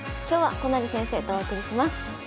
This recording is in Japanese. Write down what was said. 今日は都成先生とお送りします。